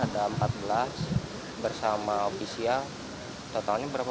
ada empat belas bersama ofisial totalnya berapa